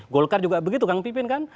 golkar juga begitu kang pipin kan